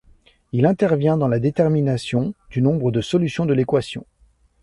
Il intervient dans la détermination du nombre de solutions de l'équation.